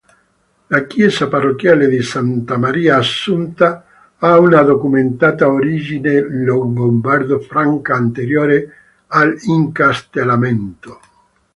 La chiesa parrocchiale di Santa Maria Assunta, ha una documentata origine longobardo-franca, anteriore all'incastellamento.